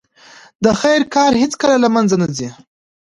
د خیر کار هیڅکله له منځه نه ځي.